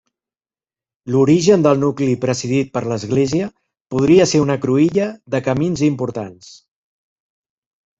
L'origen del nucli presidit per l'església podria ser una cruïlla de camins importants.